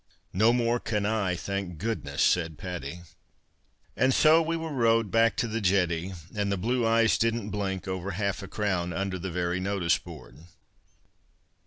" No more can I, thank goodness," said Patty. And so we were rowed back to the jetty, and the blue eyes didn't blink over half a erown under the very notice board.